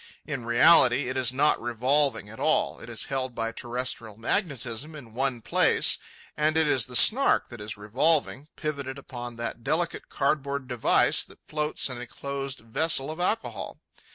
In reality, it is not revolving at all. It is held by terrestrial magnetism in one place, and it is the Snark that is revolving, pivoted upon that delicate cardboard device that floats in a closed vessel of alcohol.